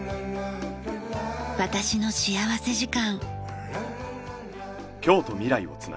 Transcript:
『私の幸福時間』。